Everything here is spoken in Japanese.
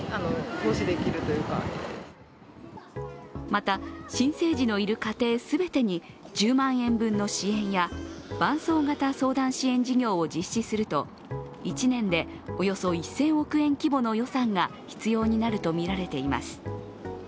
また新生児のいる家庭全てに１０万円分の支援や伴奏型相談支援事業を実施すると１年でおよそ１０００億円規模の予算が必要になるとみられています。